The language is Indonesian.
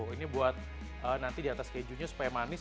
ini buat nanti di atas kejunya supaya manis